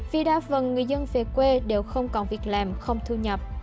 vì đa phần người dân về quê đều không còn việc làm không thu nhập